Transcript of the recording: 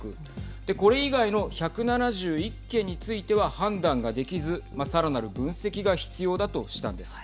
これ以外の１７１件については判断ができず、さらなる分析が必要だとしたんです。